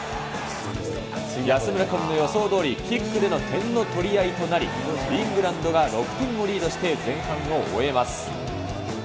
安村君の予想どおり、キックでの点の取り合いとなり、イングランドが６点をリードして前半を終えます。